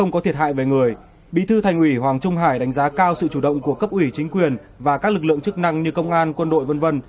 có thiệt hại về người bí thư thành ủy hoàng trung hải đánh giá cao sự chủ động của cấp ủy chính quyền và các lực lượng chức năng như công an quân đội v v